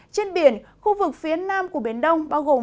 trên biển khu vực phía nam của biển đông bao gồm